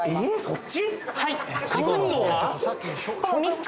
そっち？